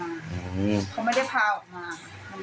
เขาไม่ได้พาออกมา